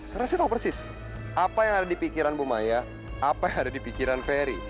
karena saya tahu persis apa yang ada di pikiran bu maya apa yang ada di pikiran ferry